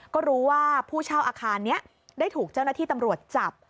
ก็รู้ว่าผู้เช่าอาคารนี้ได้ถูกเจ้าหน้าที่ตำรวจจับ